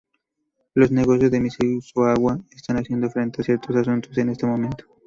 Los negocios de Mississauga están haciendo frente a ciertos asuntos en este momento.